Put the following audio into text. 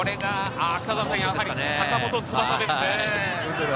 やはり坂本翼ですね。